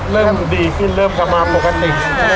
เริ่มดีฟินเริ่มทำมาปกติ